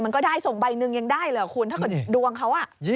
มันก็ได้ส่งใบหนึ่งยังได้เหรอคุณถ้าเป็นดวงเขา